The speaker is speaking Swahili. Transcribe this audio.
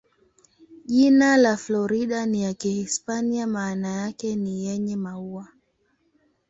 Jina la Florida ni ya Kihispania, maana yake ni "yenye maua".